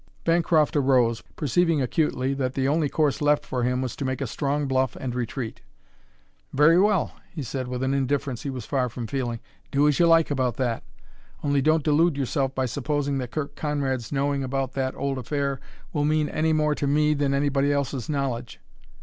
Bancroft arose, perceiving acutely that the only course left for him was to make a strong bluff and retreat. "Very well," he said, with an indifference he was far from feeling, "do as you like about that. Only don't delude yourself by supposing that Curt Conrad's knowing about that old affair will mean any more to me than anybody else's knowledge.